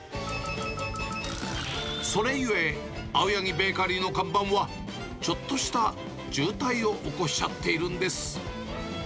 それゆえ、青柳ベーカリーの看板は、ちょっとした渋滞を起こしちゃっているんです。